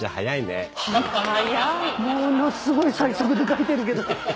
ものすごい最速で書いてるけど。